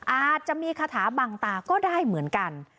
อาจจะมีคาถาบังตาก็ได้เหมือนกัน